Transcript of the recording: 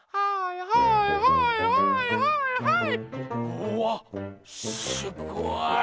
うわっすごい！